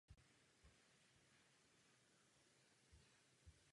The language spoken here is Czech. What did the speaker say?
Album bylo nahráno v Londýně a jeho producenty jsou Dan Smith a Mark Crew.